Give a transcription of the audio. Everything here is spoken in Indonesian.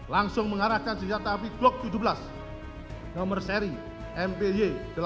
langsung mengarahkan senjata api glock tujuh belas nomor seri mpy delapan ratus lima puluh satu